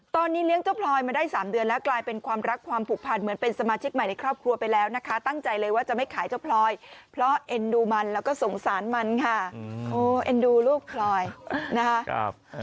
ตอนนี้เลี้ยงเจ้าพลอยมาได้๓เดือนแล้วกลายเป็นความรักความผูกพันเหมือนเป็นสมาชิกใหม่ในครอบครัวไปแล้วนะคะตั้งใจเลยว่าจะไม่ขายเจ้าพลอยเพราะเอ็นดูมันแล้วก็สงสารมันค่ะโอ้เอ็นดูลูกพลอยนะคะ